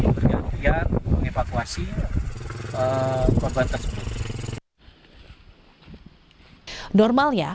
perjalanan membutuhkan waktu enam menit